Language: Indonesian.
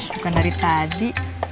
bukan dari tadi